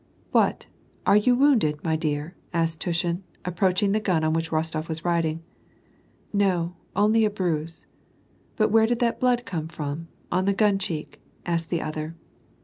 " What ! are you wounded, my dear ?"* asked Tnshin, ap proaching the gun on which Kostof was riding. No, only a bruise." " But where did that blood come from, on the gun cheek ?'' asked the other.